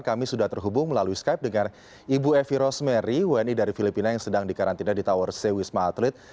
kami sudah terhubung melalui skype dengan ibu evi rosmeri wni dari filipina yang sedang dikarantina di tower c wisma atlet